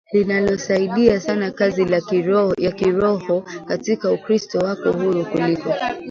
linalosaidia sana kazi ya kiroho katika Ukristo Wako huru kuliko